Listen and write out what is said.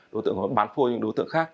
đối tượng bán phôi những đối tượng khác